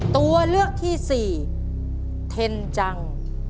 ตัวเลือกที่สี่เทนจัง